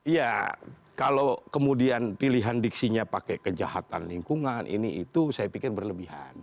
ya kalau kemudian pilihan diksinya pakai kejahatan lingkungan ini itu saya pikir berlebihan